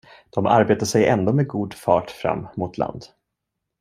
De arbetade sig ändå med god fart fram mot land.